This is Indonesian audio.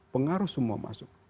pengaruh semua masuk